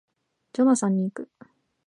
ジョナサンに行く